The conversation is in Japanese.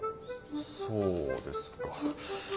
そうですか。